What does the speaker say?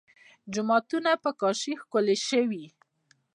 جوماتونه په کاشي ښکلي شوي.